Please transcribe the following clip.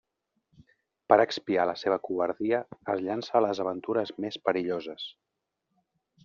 Per expiar la seva covardia, es llança a les aventures més perilloses.